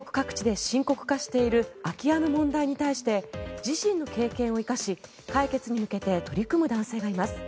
全国各地で深刻化している空き家の問題に対して自身の経験を活かし解決に向けて取り組む男性がいます。